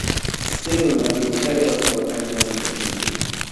Sey una go karry us waka join bodi.